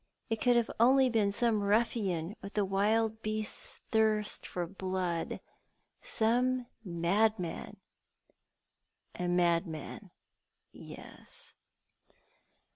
It could only have been some ruffian, with the Mild beasts' thirst for blood — some madman. " A madman, yes